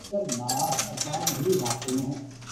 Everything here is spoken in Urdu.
آج کل کے تماشے دیکھیے۔